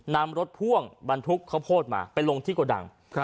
นำรถพ่วงบรรทุกข้าวโพดมาไปลงที่โกดัง